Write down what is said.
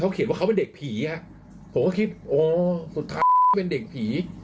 เขียนว่าเขาเป็นเด็กผีฮะผมก็คิดโอ้สุดท้ายเขาเป็นเด็กผี